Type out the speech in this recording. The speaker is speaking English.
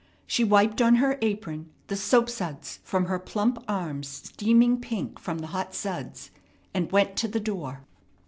She wiped on her apron the soap suds from her plump arms steaming pink from the hot suds, and went to the door.